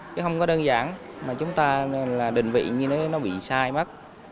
chứ không có đơn giản mà chúng ta định vị như nó bị sai mất